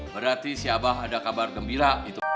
berarti si abah ada kabar gembira